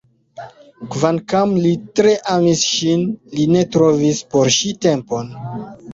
Kvankam li tre amis ŝin, li ne trovis por ŝi tempon.